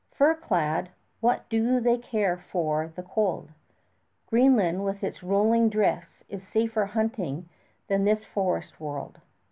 Fur clad, what do they care for the cold? Greenland with its rolling drifts is safer hunting than this forest world.